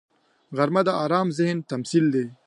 غرمه د آرام ذهن تمثیل دی